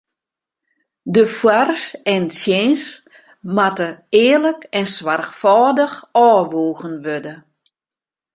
De foars en tsjins moatte earlik en soarchfâldich ôfwoegen wurde.